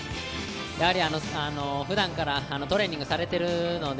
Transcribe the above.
ふだんからトレーニングされているので、